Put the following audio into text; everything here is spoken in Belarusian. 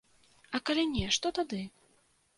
А калі не, што тады?